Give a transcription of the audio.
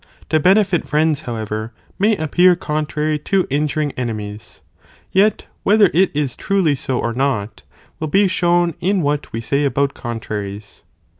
To benefit friends however may appear contrary to injuring enemies, yet whether it is truly so or not, will be shown in what we say about contraries.